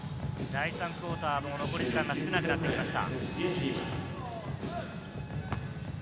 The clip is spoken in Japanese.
第３クオーターも残り時間が少なくなってきました。